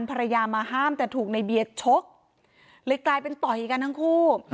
ภรรยามาห้ามแต่ถูกในเบียร์ชกเลยกลายเป็นต่อยกันทั้งคู่